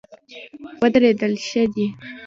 ودرېدل ښه دی.